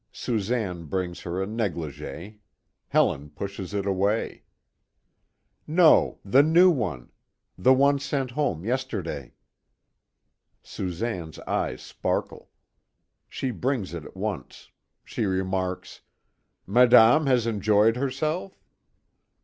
Susanne brings her a negligée. Helen pushes it away: "No, the new one the one sent home yesterday." Susanne's eyes sparkle. She brings it at once. She remarks: "Madame has enjoyed herself?"